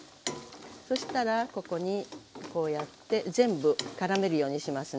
そしたらここにこうやって全部絡めるようにしますね。